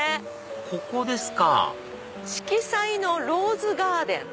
ここですか「色彩のローズガーデン」。